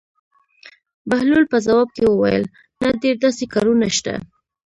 بهلول په ځواب کې وویل: نه ډېر داسې کارونه شته.